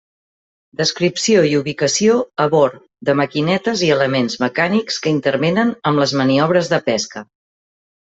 Descripció i ubicació a bord de maquinetes i elements mecànics que intervenen en les maniobres de pesca.